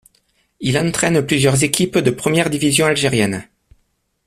Il entraîne plusieurs équipes de première division algérienne.